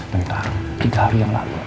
tentang tiga hari yang lalu